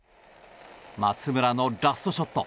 松村のラストショット。